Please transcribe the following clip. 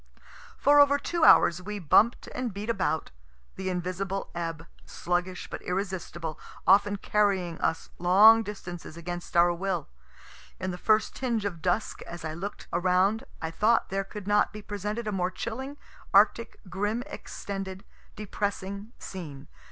For over two hours we bump'd and beat about, the invisible ebb, sluggish but irresistible, often carrying us long distances against our will. In the first tinge of dusk, as I look'd around, I thought there could not be presented a more chilling, arctic, grim extended, depressing scene.